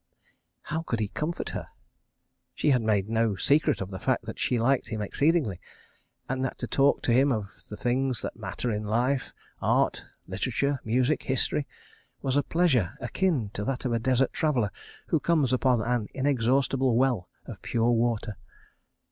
How could he comfort her? She had made no secret of the fact that she liked him exceedingly, and that to talk to him of the things that matter in Life, Art, Literature, Music, History, was a pleasure akin to that of a desert traveller who comes upon an inexhaustible well of pure water.